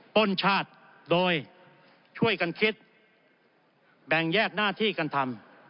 ป้นชาติโดยช่วยกันคิดแบ่งแยกหน้าที่กันทำ